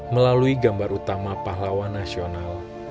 melalui gambar utama pahlawan nasional